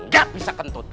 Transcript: gak bisa kentut